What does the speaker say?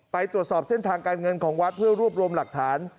ไปตรวจสอบเส้นทางการเงินของวัดเพื่อรวบรวมหลักฐาน